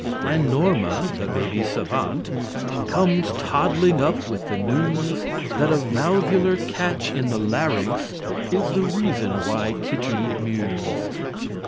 And Norma, the baby savant, Comes toddling up with the news That a valvular catch in the larynx Is the reason why Kitty mews.